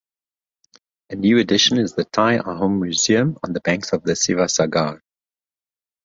A new addition is the Tai Ahom Museum on the banks of the Sivasagar.